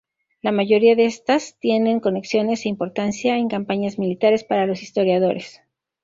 La mayoría de estas tienen conexiones e importancia en campañas militares, para los historiadores.